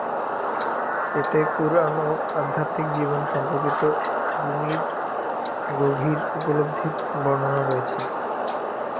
এতে কুরআন ও আধ্যাত্মিক জীবন সম্পর্কিত রুমির গভীর উপলব্ধির বর্ণনা রয়েছে।